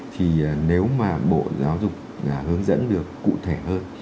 thì nếu mà bộ giáo dục hướng dẫn được cụ thể hơn